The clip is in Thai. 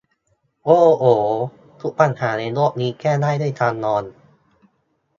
โอ้โห ทุกปัญหาในโลกนี้ แก้ได้ด้วยการนอน